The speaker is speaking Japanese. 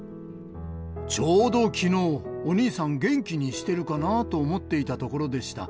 ちょうどきのう、お兄さん元気にしてるかな？と思っていたところでした。